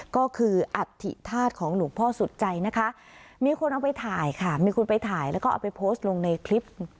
ก็คืออัฐิธาตุของหลวงพ่อสุดใจนะคะมีคนเอาไปถ่ายค่ะมีคนไปถ่ายแล้วก็เอาไปโพสต์ลงในคลิป